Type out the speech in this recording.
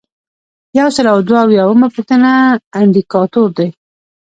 یو سل او دوه اویایمه پوښتنه اندیکاتور دی.